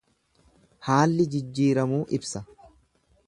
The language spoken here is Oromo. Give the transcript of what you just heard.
Haalli jijjiiramuu ibsa.